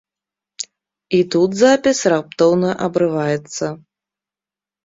І тут запіс раптоўна абрываецца.